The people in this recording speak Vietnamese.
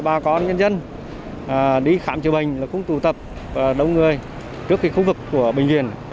bà con nhân dân đi khám chữa bệnh là không tụ tập đông người trước khu vực của bệnh viện